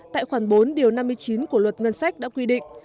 tại khoản bốn điều năm mươi chín của luật ngân sách đã quy định